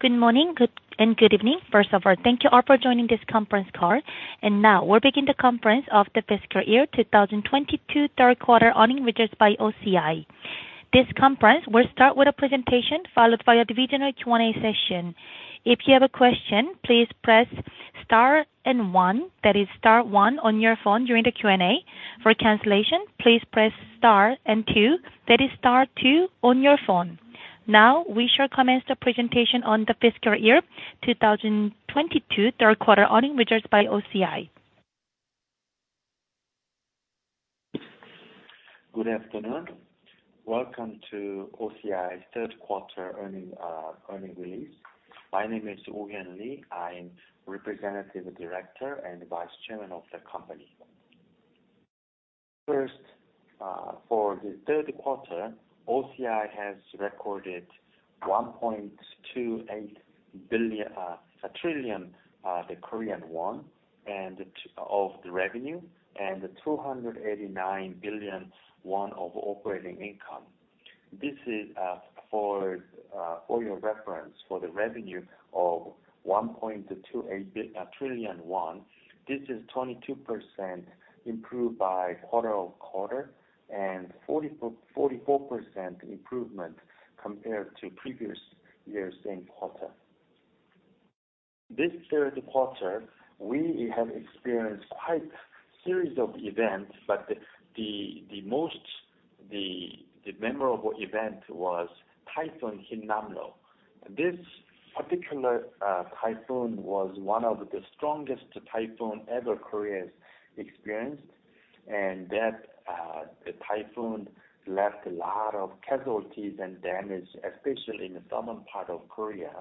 Good morning, good afternoon, and good evening. First of all, thank you all for joining this conference call, and now we'll begin the conference on the fiscal year 2022 Q3 earnings results by OCI. This conference will start with a presentation followed by a divisional Q&A session. If you have a question, please press Star and One, that is Star One on your phone during the Q&A. For cancellation, please press Star and two, that is Star two on your phone. Now, we shall commence the presentation on the fiscal year 2022 Q3 earnings results by OCI. Good afternoon. Welcome to OCI's Q3 earnings release. My name is Woo-Hyun Lee. I'm representative director and vice chairman of the company. First, for the third quarter, OCI has recorded 1.28 trillion of the revenue, and 289 billion won of operating income. This is for your reference, for the revenue of 1.28 trillion won. This is 22% improved quarter-over-quarter and 44% improvement compared to previous year's same quarter. This Q3, we have experienced quite a series of events, but the most memorable event was Typhoon Hinnamnor. This particular typhoon was one of the strongest typhoon ever Korea's experienced, and that typhoon left a lot of casualties and damage, especially in the southern part of Korea.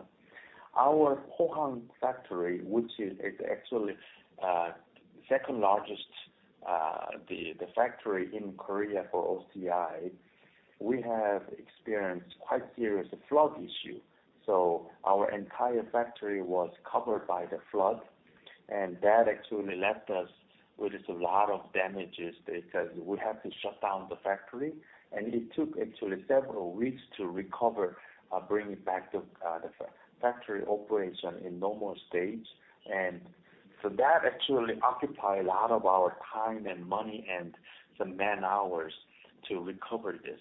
Our Pohang factory, which is actually the second largest factory in Korea for OCI, we have experienced quite serious flood issue, so our entire factory was covered by the flood. That actually left us with a lot of damages because we have to shut down the factory, and it took actually several weeks to recover, bring it back to the factory operation in normal state. That actually occupy a lot of our time and money and some man-hours to recover this.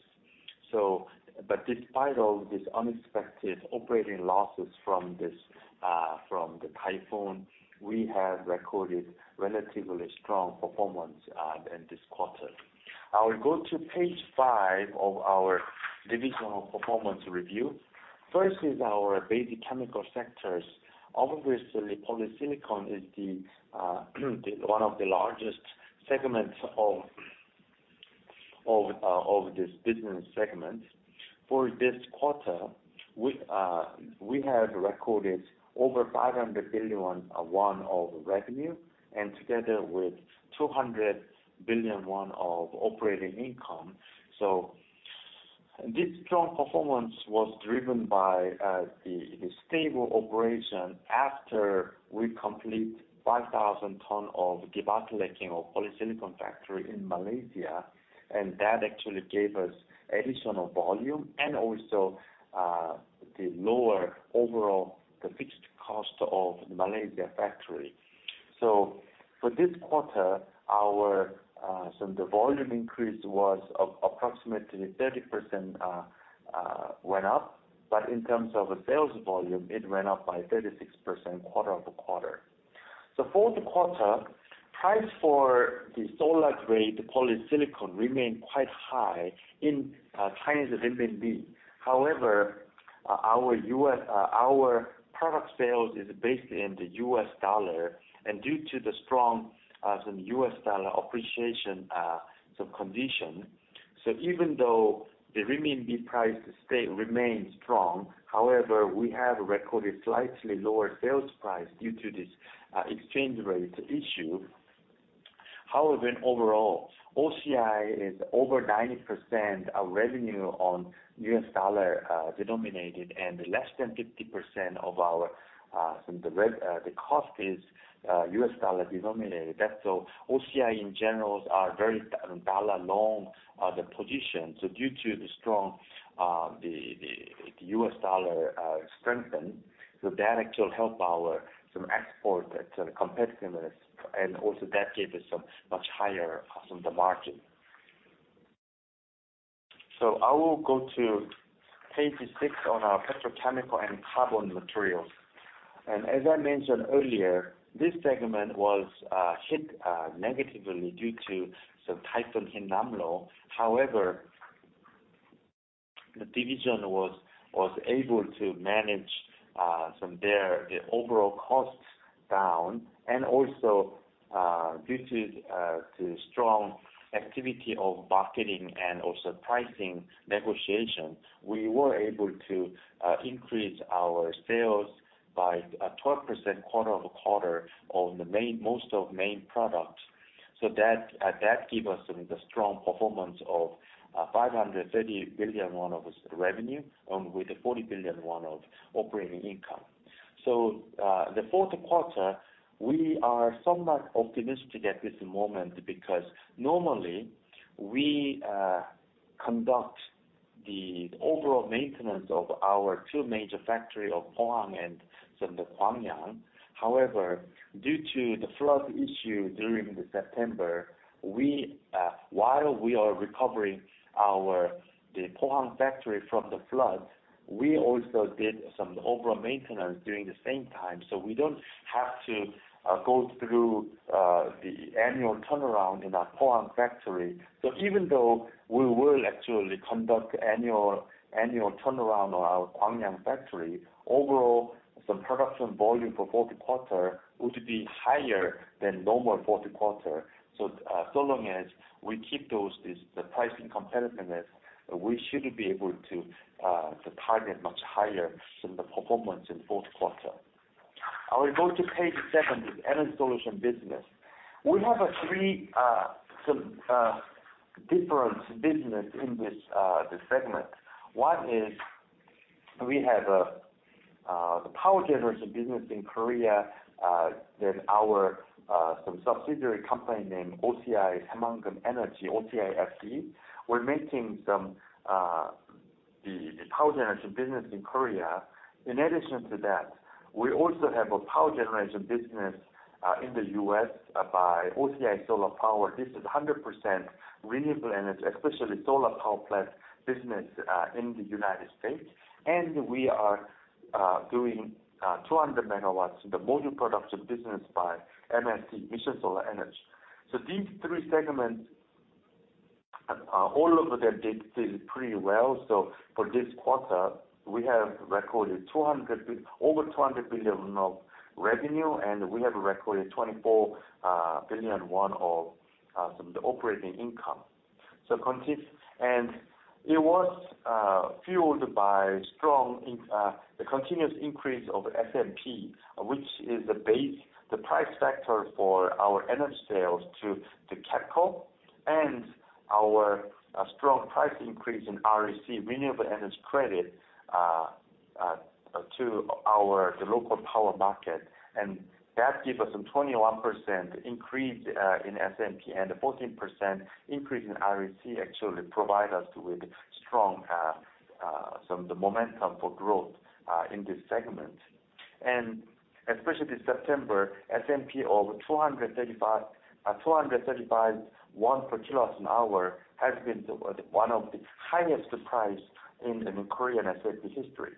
Despite all this unexpected operating losses from the typhoon, we have recorded relatively strong performance in this quarter. I will go to page five of our divisional performance review. First is our basic chemical sectors. Obviously, polysilicon is the one of the largest segments of this business segment. For this quarter, we have recorded over 500 billion won of revenue, and together with 200 billion won of operating income. This strong performance was driven by the stable operation after we complete 5,000 tons of debottlenecking of polysilicon factory in Malaysia, and that actually gave us additional volume and also the lower overall fixed cost of Malaysia factory. For this quarter, the volume increase was approximately 30%, went up, but in terms of sales volume, it went up by 36% quarter-over-quarter. Fourth quarter, price for the solar-grade polysilicon remained quite high in Chinese renminbi. However, our U.S. product sales is based in the U.S. dollar, and due to the strong U.S. dollar appreciation, some condition, even though the renminbi price remains strong, however, we have recorded slightly lower sales price due to this exchange rate issue. However, overall, OCI is over 90% of revenue on U.S. dollar denominated and less than 50% of our costs are U.S. dollar denominated. That is so OCI in general are very dollar long the position. Due to the strong U.S. dollar strengthening, that actually help our export competitiveness and also that gave us somewhat higher margins. I will go to page six on our petrochemical and carbon materials. As I mentioned earlier, this segment was hit negatively due to some Typhoon Hinnamnor. However, the division was able to manage their overall costs down and also due to strong activity of marketing and also pricing negotiation, we were able to increase our sales by 12% quarter-over-quarter on the most of main products. That give us the strong performance of 530 billion won sales revenue with 40 billion won of operating income. The Q4, we are somewhat optimistic at this moment because normally we conduct the overall maintenance of our two major factory of Pohang and the Gwangyang. However, due to the flood issue during September, while we are recovering our Pohang factory from the flood, we also did some overall maintenance during the same time, so we don't have to go through the annual turnaround in our Pohang factory. Even though we will actually conduct annual turnaround on our Gwangyang factory, overall, some production volume for Q4 would be higher than normal Q4. So long as we keep this pricing competitiveness, we should be able to to target much higher than the performance in Q4. I will go to page seven, the Energy Solution business. We have three somewhat different business in this segment. One is we have the power generation business in Korea that our some subsidiary company named OCI Saemangeum Energy, OCI SE, we're making some the power generation business in Korea. In addition to that, we also have a power generation business in the U.S. by OCI Solar Power. This is 100% renewable energy, especially solar power plant business in the United States. We are doing 200 megawatts in the module production business by MSE, Mission Solar Energy. These three segments all of them did pretty well. For this quarter, we have recorded over 200 billion won of revenue, and we have recorded 24 billion won of the operating income. It was fueled by the continuous increase of SMP, which is the base, the price factor for our energy sales to KEPCO and our strong price increase in REC, renewable energy credit, to the local power market. That give us some 21% increase in SMP and a 14% increase in REC actually provide us with strong some of the momentum for growth in this segment. Especially this September, SMP over KRW 235/kWh has been one of the highest price in Korean SMP history.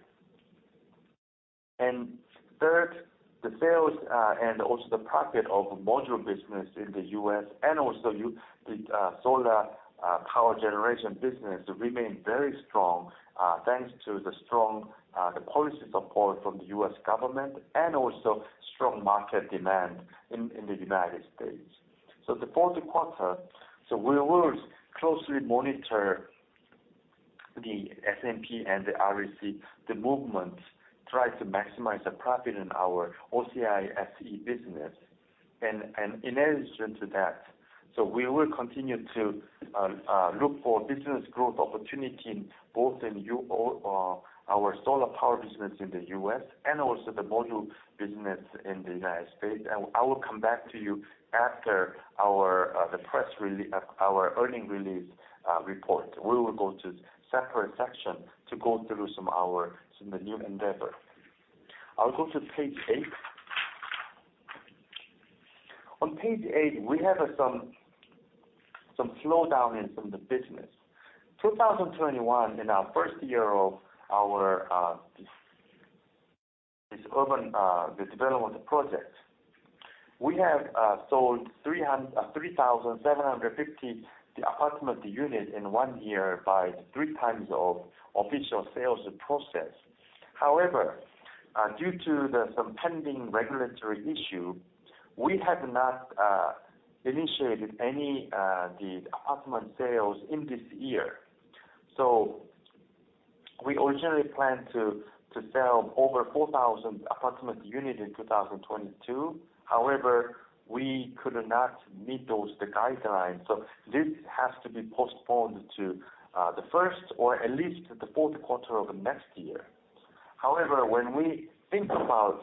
Third, the sales and also the profit of module business in the U.S. The solar power generation business remain very strong thanks to the strong policy support from the U.S. government and also strong market demand in the United States. The fourth quarter we will closely monitor the SMP and the REC movement try to maximize the profit in our OCI SE business. In addition to that, we will continue to look for business growth opportunity both in our solar power business in the U.S. and also the module business in the United States. I will come back to you after our earnings release report. We will go to separate section to go through some our some the new endeavor. I'll go to page eight. On page eight, we have some slowdown in some of the business. 2021, in our first year of this urban development project, we have sold 3,750 apartment units in one year by three times of official sales process. However, due to some pending regulatory issue, we have not initiated any apartment sales in this year. We originally planned to sell over 4,000 apartment units in 2022. However, we could not meet those guidelines, so this has to be postponed to the first or at least the Q4 of next year. However, when we think about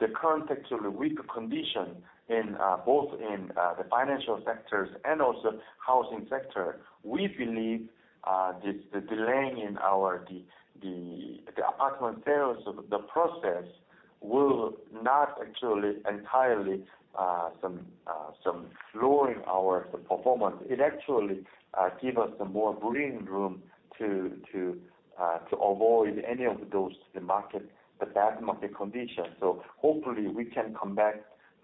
the current actually weak condition in both the financial sectors and also housing sector, we believe the delaying in our apartment sales process will not actually entirely lower our performance. It actually give us some more breathing room to avoid any of those bad market conditions. Hopefully we can come back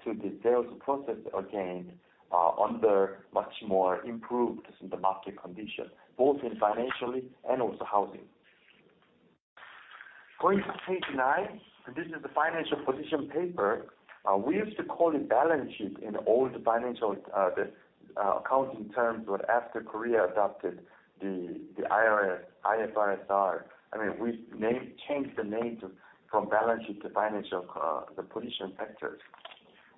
to the sales process again under much more improved market condition, both financially and also housing. Going to page nine, this is the financial position paper. We used to call it balance sheet in old financial accounting terms, but after Korea adopted the IFRS, I mean, we changed the name to from balance sheet to financial position factors.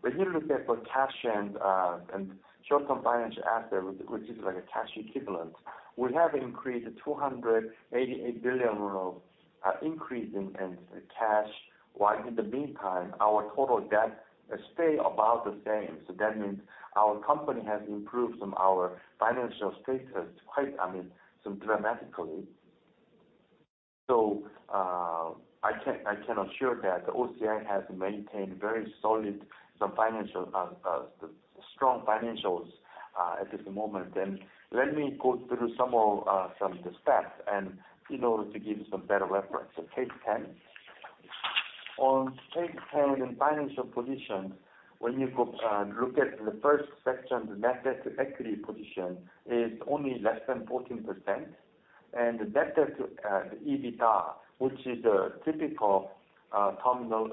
When you look at cash and short-term financial asset, which is like a cash equivalent, we have increased KRW 288 billion of increase in cash, while in the meantime, our total debt stay about the same. That means our company has improved from our financial status quite, I mean, some dramatically. I can assure that OCI has maintained very solid, strong financials at this moment. Let me go through some of the stats in order to give some better reference. Page 10. On page ten, in financial position, when you look at the first section, the net debt to equity position is only less than 14%. The debt to the EBITDA, which is a typical term loan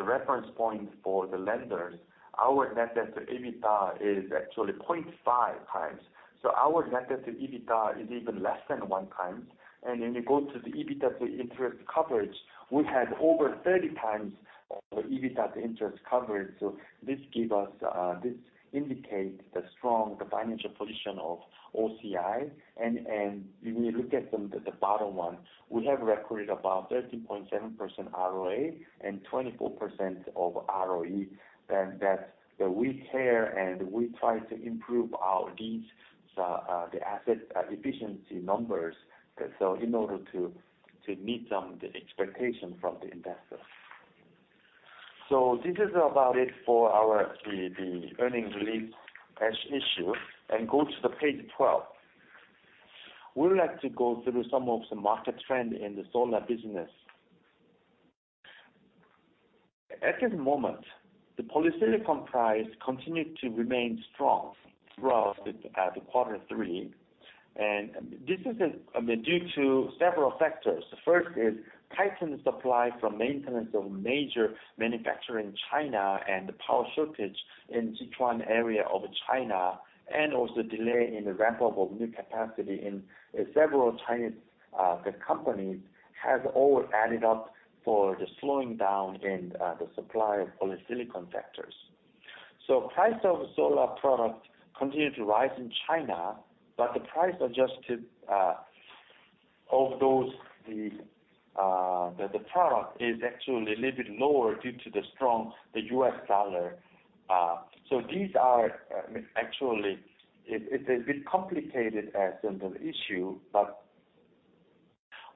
reference point for the lenders, our net debt to EBITDA is actually 0.5x. Our net debt to EBITDA is even less than 1x. When you go to the EBITDA to interest coverage, we had over 30x EBITDA to interest coverage. This indicates the strong financial position of OCI. When you look at the bottom one, we have recorded about 13.7% ROA and 24% ROE. That's what we care, and we try to improve our asset efficiency numbers, so in order to meet some of the expectations from the investors. That's about it for our earnings release issue, and go to the page 12. We would like to go through some of the market trend in the solar business. At this moment, the polysilicon price continued to remain strong throughout the quarter three. This is, I mean, due to several factors. The first is tightened supply from maintenance of major manufacturer in China, and the power shortage in Sichuan area of China, and also delay in the ramp-up of new capacity in several Chinese companies, has all added up to the slowing down in the supply of polysilicon. Price of solar product continued to rise in China, but the price adjusted of those the product is actually a little bit lower due to the strong U.S. dollar. These are actually, it's a bit complicated as in the issue, but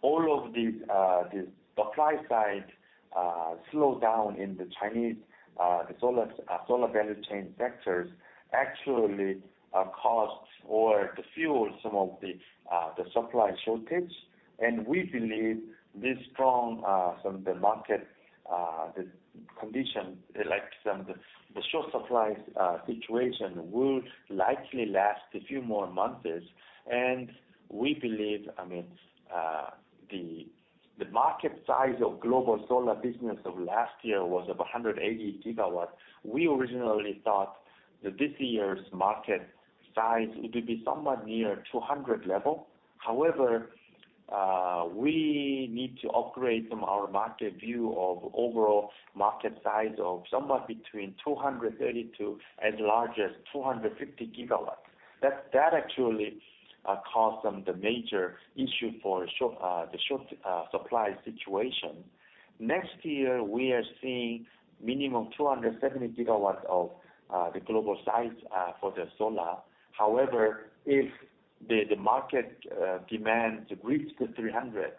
all of these the supply side slow down in the Chinese the solar value chain sectors actually caused or fueled some of the the supply shortage. We believe this strong some of the market condition, like the short supply situation will likely last a few more months. We believe, I mean, the market size of global solar business of last year was of 180 gigawatts. We originally thought that this year's market size, it would be somewhat near 200 level. However, we need to upgrade from our market view of overall market size of somewhat between 232, as large as 250 gigawatts. That actually caused some of the major issue for the short supply situation. Next year, we are seeing minimum 270 gigawatts of the global size for the solar. However, if the market demand reached 300,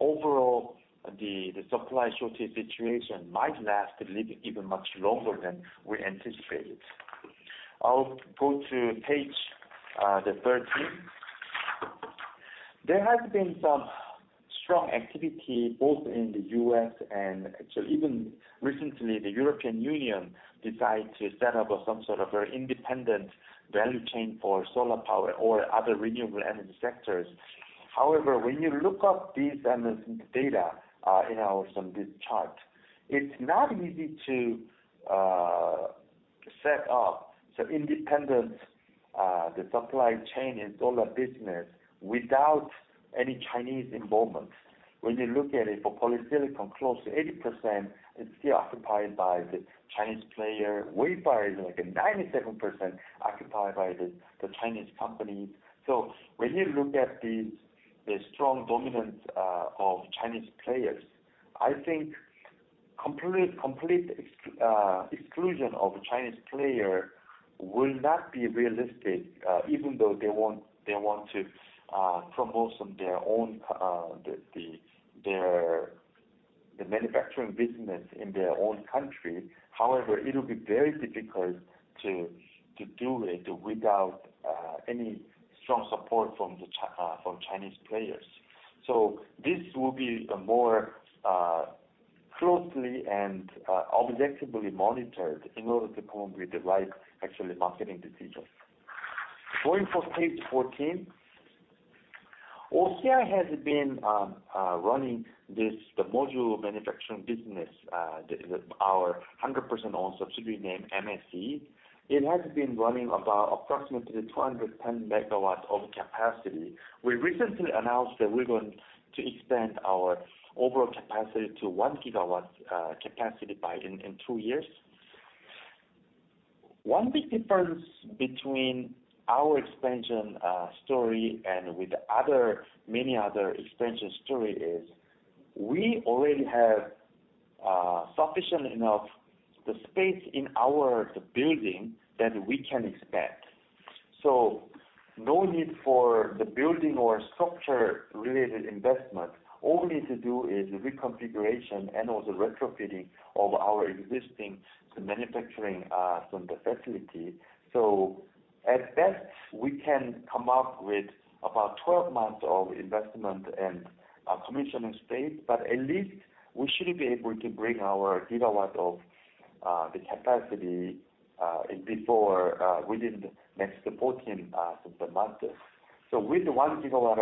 overall, the supply shortage situation might last a little even much longer than we anticipated. I'll go to page 13. There has been some strong activity, both in the U.S. Actually even recently, the European Union decided to set up some sort of independent value chain for solar power or other renewable energy sectors. However, when you look up these analysis data in our some this chart, it's not easy to set up some independent the supply chain in solar business without any Chinese involvement. When you look at it for polysilicon, close to 80% is still occupied by the Chinese player. Wafer is like a 97% occupied by the Chinese company. So when you look at the strong dominance of Chinese players, I think complete exclusion of Chinese player will not be realistic, even though they want to promote some their own the the their the manufacturing business in their own country. However, it'll be very difficult to do it without any strong support from Chinese players. This will be more closely and objectively monitored in order to come with the right, actually, marketing decisions. Going for page 14. OCI has been running this, the module manufacturing business, our 100% owned subsidiary named MSE. It has been running about approximately 210 megawatts of capacity. We recently announced that we're going to extend our overall capacity to 1 gigawatt capacity in two years. One big difference between our expansion story and with other many other expansion story is we already have sufficient enough the space in our building that we can expand. No need for the building or structure-related investment. All we need to do is reconfiguration and also retrofitting of our existing manufacturing facility. At best, we can come up with about 12 months of investment and commissioning phase. At least we should be able to bring our gigawatts of capacity within the next 14 months. With 1 gigawatt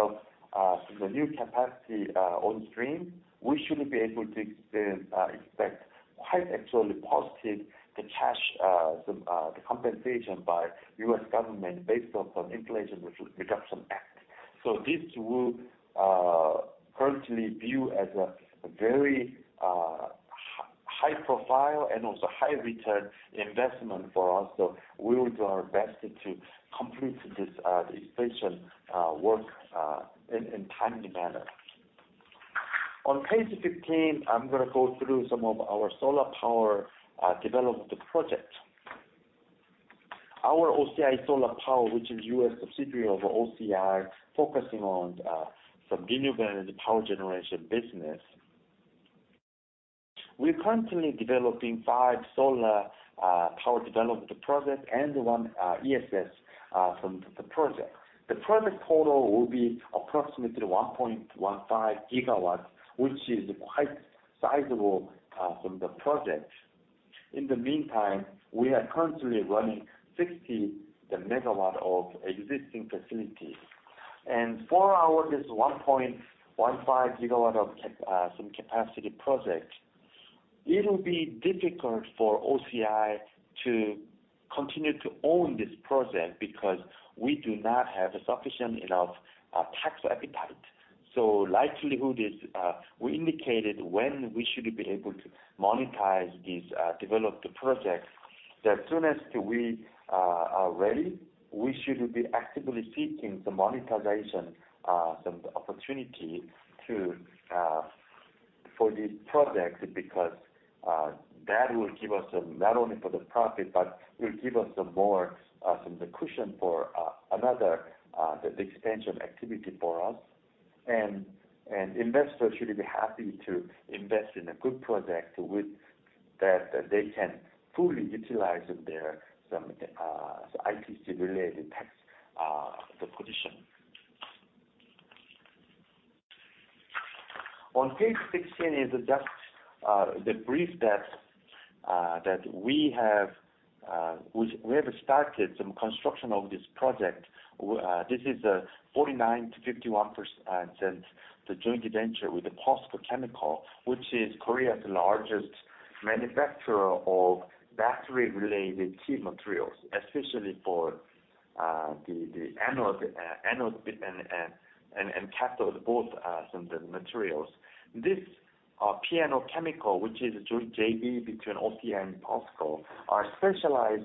of the new capacity on stream, we should be able to expect quite actually positive cash compensation by the U.S. government based on the Inflation Reduction Act. This will currently be viewed as a very high profile and also high return investment for us. We will do our best to complete this expansion work in timely manner. On page 15, I'm gonna go through some of our solar power development project. Our OCI Solar Power, which is U.S. subsidiary of OCI, focusing on some renewable energy power generation business. We're currently developing five solar power development project and one ESS from the project. The project total will be approximately 1.15 gigawatts, which is quite sizable from the project. In the meantime, we are currently running 60 megawatt of existing facility. For our this 1.15 gigawatt of some capacity project, it'll be difficult for OCI to continue to own this project because we do not have sufficient enough tax appetite. Likelihood is we indicated when we should be able to monetize these developed projects. As soon as we are ready, we should be actively seeking some monetization, some opportunity for these projects, because that will give us not only for the profit, but will give us some more, some cushion for another expansion activity for us. Investors should be happy to invest in a good project with that they can fully utilize their some ITC-related tax position. On page 16 is just the brief that we have, we have started some construction of this project. This is a 49%-51% joint venture with the POSCO Chemical, which is Korea's largest manufacturer of battery-related key materials, especially for the anode and cathode, both some of the materials. This P&O Chemical, which is joint JV between OCI and POSCO, are specialized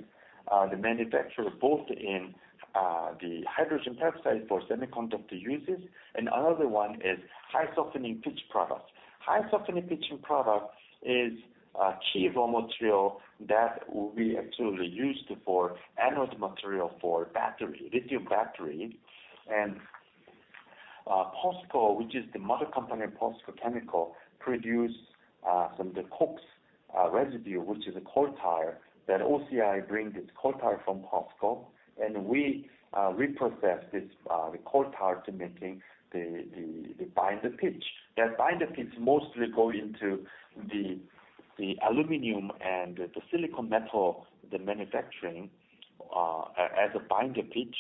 the manufacturer both in the hydrogen peroxide for semiconductor uses, and another one is high softening point pitch products. High softening point pitch product is a key raw material that will actually be used for anode material for battery, lithium battery. POSCO, which is the mother company of POSCO Chemical, produce some of the cokes residue, which is a coal tar, that OCI brings this coal tar from POSCO, and we reprocess this the coal tar to making the binder pitch. That binder pitch mostly go into the aluminum and the silicon metal the manufacturing as a binder pitch.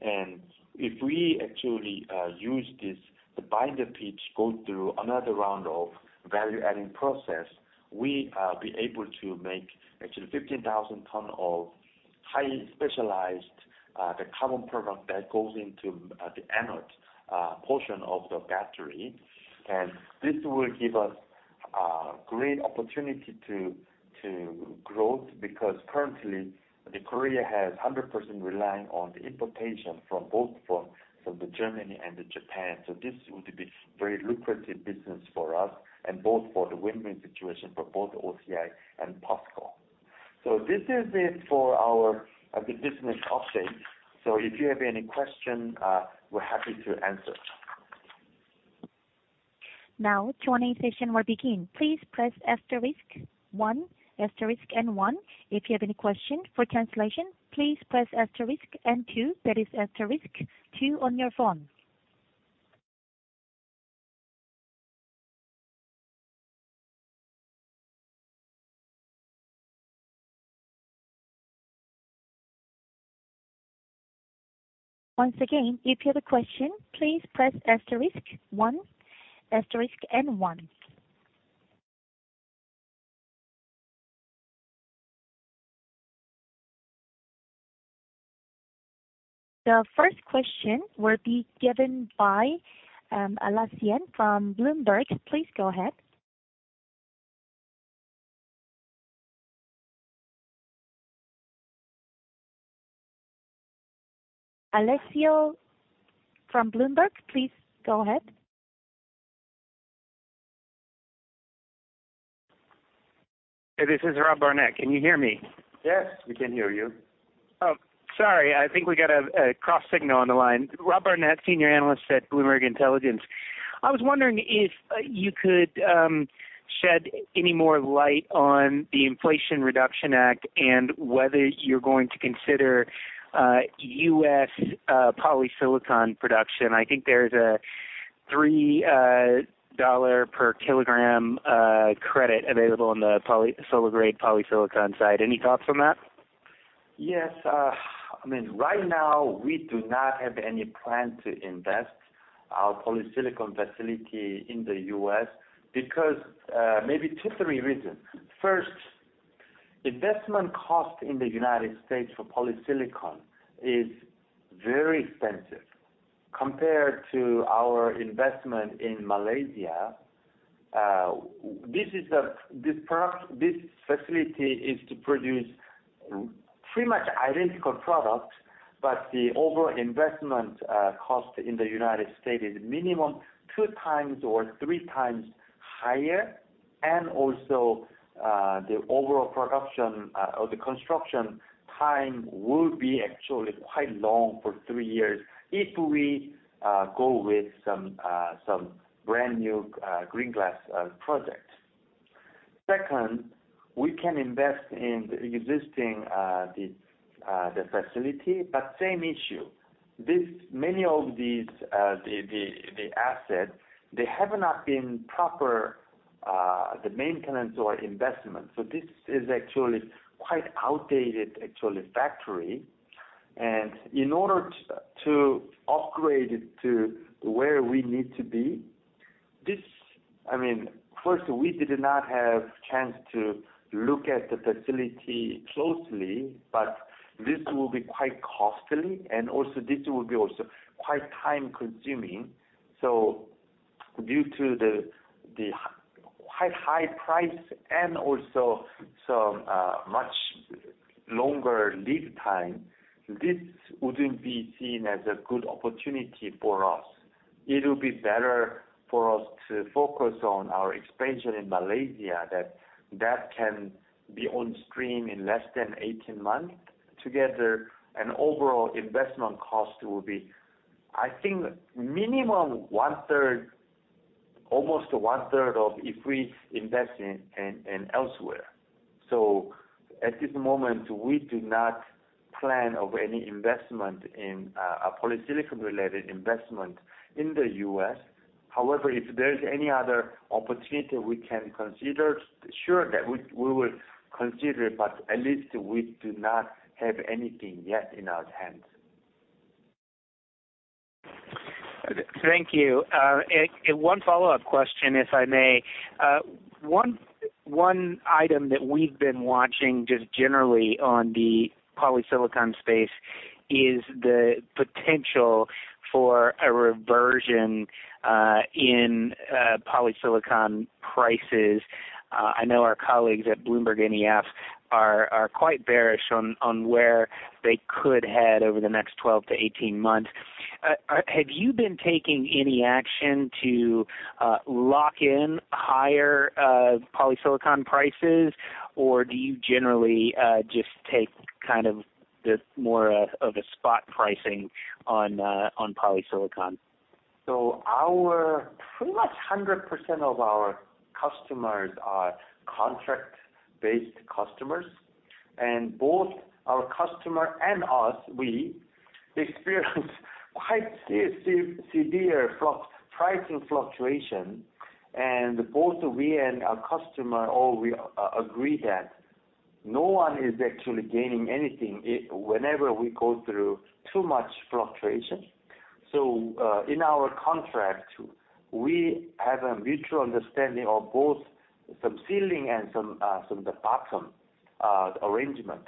If we actually use this, the binder pitch, go through another round of value-adding process, we be able to make actually 15,000 tons of highly specialized the carbon product that goes into the anode portion of the battery. This will give us great opportunity to growth, because currently Korea has 100% relying on the importation from both Germany and Japan. This would be very lucrative business for us and both for the win-win situation for both OCI and POSCO. This is it for our business update. If you have any question, we're happy to answer. Now Q&A session will begin. Please press asterisk one, asterisk and one. If you have any question for translation, please press asterisk and two, that is asterisk two on your phone. Once again, if you have a question, please press asterisk one, asterisk and one. The first question will be given by Rob Barnett from Bloomberg. Please go ahead. Rob Barnett from Bloomberg, please go ahead. Hey, this is Rob Barnett. Can you hear me? Yes, we can hear you. Oh, sorry. I think we got a cross signal on the line. Rob Barnett, Senior Analyst at Bloomberg Intelligence. I was wondering if you could shed any more light on the Inflation Reduction Act and whether you're going to consider U.S. polysilicon production. I think there's a $3 per kilogram credit available on the solar-grade polysilicon side. Any thoughts on that? Yes. I mean, right now, we do not have any plan to invest our polysilicon facility in the U.S. because maybe two, three reasons. First, investment cost in the United States for polysilicon is very expensive compared to our investment in Malaysia. This product, this facility is to produce pretty much identical products, but the overall investment cost in the United States is minimum two times or three times higher, and also the overall production or the construction time will be actually quite long for three years if we go with some brand-new greenfield project. Second, we can invest in the existing facility, but same issue. Many of these assets have not had proper maintenance or investment. This is actually quite outdated, actually, factory. In order to upgrade it to where we need to be, I mean, first, we did not have chance to look at the facility closely, but this will be quite costly, and also this will be quite time-consuming. Due to the high price and also some much longer lead time, this wouldn't be seen as a good opportunity for us. It'll be better for us to focus on our expansion in Malaysia that can be on stream in less than 18 months. Together, an overall investment cost will be, I think, minimum one-third, almost one-third of if we invest in and elsewhere. At this moment, we do not plan of any investment in a polysilicon-related investment in the U.S. However, if there's any other opportunity we can consider, sure that we will consider, but at least we do not have anything yet in our hands. Thank you. One follow-up question, if I may. One item that we've been watching just generally on the polysilicon space is the potential for a reversion in polysilicon prices. I know our colleagues at BloombergNEF are quite bearish on where they could head over the next 12-18 months. Have you been taking any action to lock in higher polysilicon prices, or do you generally just take kind of the more of a spot pricing on polysilicon? Our pretty much 100% of our customers are contract-based customers, and both our customer and us experience quite severe pricing fluctuation. Both we and our customer agree that no one is actually gaining anything whenever we go through too much fluctuation. In our contract, we have a mutual understanding of both some ceiling and some bottom arrangement.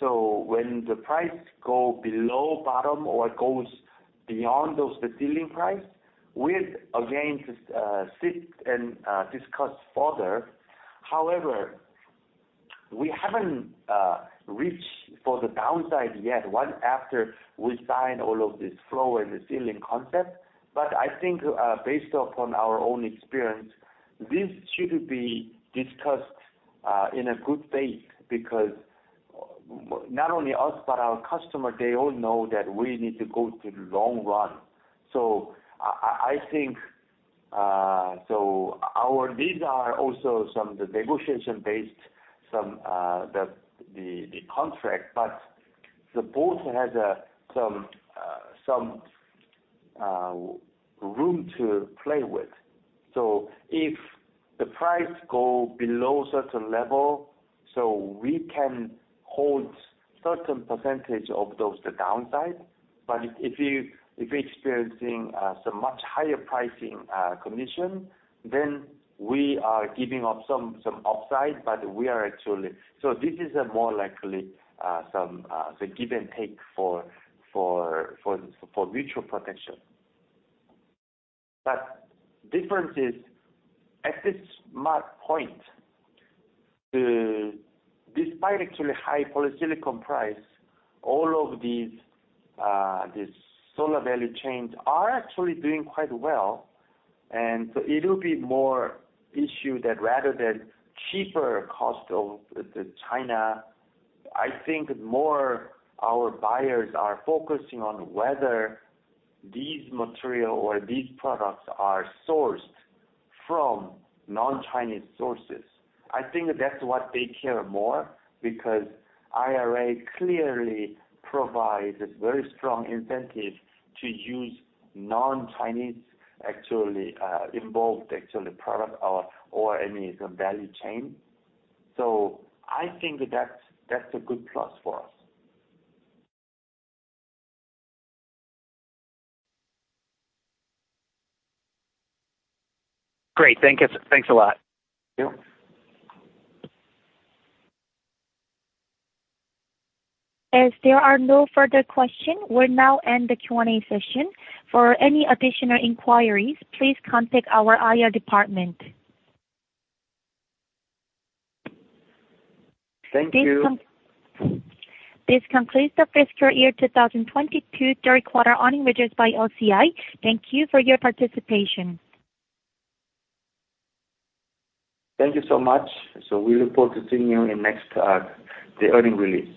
When the price go below bottom or it goes beyond the ceiling price, we'd again sit and discuss further. However, we haven't reached for the downside yet, one after we sign all of this floor and the ceiling concept. I think, based upon our own experience, this should be discussed in good faith because not only us, but our customer, they all know that we need to go to the long run. I think our leads are also some negotiation based, some contract based, but both has some room to play with. If the price go below certain level, we can hold certain percentage of the downside. If you're experiencing somewhat higher pricing condition, then we are giving up some upside, but we are actually. This is more like the give and take for mutual protection. Difference is, at this starting point. Despite actually high polysilicon price, all of these solar value chains are actually doing quite well. It'll be more of an issue rather than cheaper costs from China. I think more our buyers are focusing on whether these materials or these products are sourced from non-Chinese sources. I think that's what they care more about because IRA clearly provides a very strong incentive to use non-Chinese involved products or any value chain. I think that's a good plus for us. Great. Thank you. Thanks a lot. Yep. As there are no further question, we'll now end the Q&A session. For any additional inquiries, please contact our IR department. Thank you. This concludes the fiscal year 2022 Q3 earnings released by OCI. Thank you for your participation. Thank you so much. We look forward to seeing you in the next earnings release.